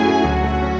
saya men feel